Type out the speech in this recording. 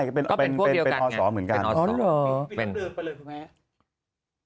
ก็เป็นพวกเดียวกันเป็นออสรเหมือนกันเป็นออสรเหรอ